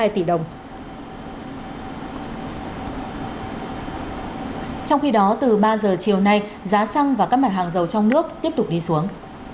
trong khi đó từ ba giờ chiều nay giá xăng và các mặt hàng dầu trong nước tiếp tục đi xuống